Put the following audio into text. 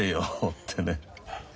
ってね。